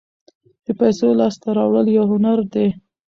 د پیسو لاسته راوړل یو هنر دی.